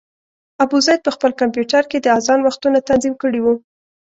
ابوزید په خپل کمپیوټر کې د اذان وختونه تنظیم کړي وو.